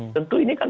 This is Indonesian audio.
tentu ini kan